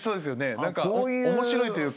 何か面白いというか。